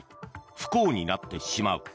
不幸になってしまう。